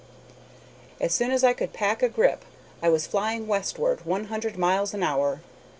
As soon as I could pack a grip I was flying westward one hundred miles an hour.